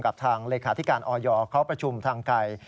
ทางเลขาธิการออยเขาประชุมทางไกล